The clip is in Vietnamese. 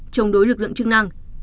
chống đối lực lượng chức năng